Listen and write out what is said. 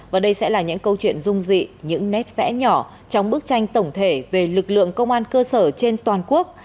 và đây sẽ là những câu chuyện rung dị những nét vẽ nhỏ trong bức tranh tổng thể về lực lượng công an cơ sở trên toàn quốc